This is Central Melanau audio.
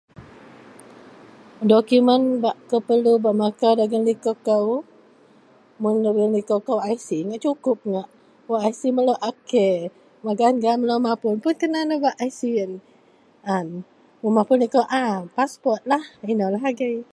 Dokumen bak kou perlu bak makau dagen liko kou. Mun dagen liko kou IC ngak sukup ngak, wak IC melo kou a K, gaan-gaan melo mapun kena nebak IC iyen, an. Mun mapun liko a paspot lah eno lah agei.